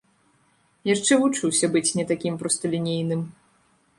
Яшчэ вучуся быць не такім просталінейным.